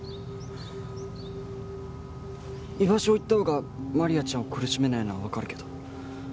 居場所を言ったほうがマリアちゃんを苦しめないのはわかるけど。